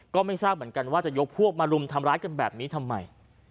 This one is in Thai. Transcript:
ก็ไม่ทราบเหมือนกันว่าจะยกพวกมารุมทำร้ายกันแบบนี้ทำไม